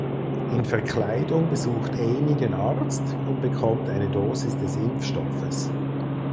In Verkleidung besucht Amy den Arzt und bekommt eine Dosis des Impfstoffes.